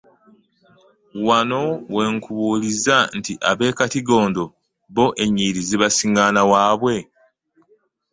Wano we nkubuuliza nti ab'e Katigondo bo ennyiriri zibasinngaana waabwe?